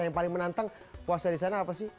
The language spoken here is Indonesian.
yang paling menantang puasa di sana apa sih